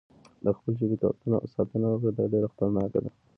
د خپل ژبې ساتنه وکړه، دا ډېره خطرناکه ده.